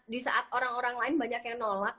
di saat orang orang lain banyak yang nolak